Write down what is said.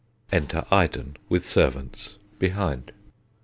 Enter IDEN, _with Servants, behind.